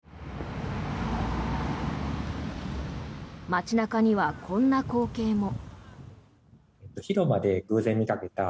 街中にはこんな光景も。